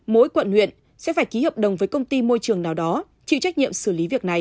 mỗi quận huyện sẽ phải ký hợp đồng với công ty môi trường nào đó chịu trách nhiệm xử lý việc này